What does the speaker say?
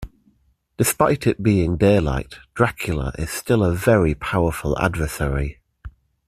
Despite it being daylight, Dracula is still a very powerful adversary.